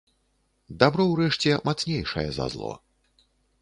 Дабро ўрэшце мацнейшае за зло.